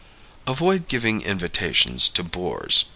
Avoid giving invitations to bores.